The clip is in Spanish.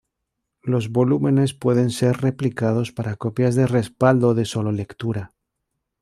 Los volúmenes pueden ser replicados para copias de respaldo de sólo lectura.